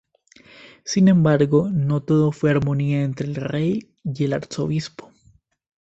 Sin embargo, no todo fue armonía entre el rey y el arzobispo.